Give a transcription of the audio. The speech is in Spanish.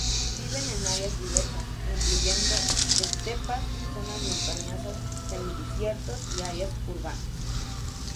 Viven en áreas diversas, incluyendo estepas, zonas montañosas semidesiertos y áreas urbanas.